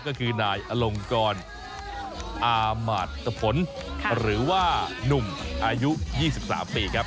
ก็คือนายอลงกรอามาตพลหรือว่านุ่มอายุ๒๓ปีครับ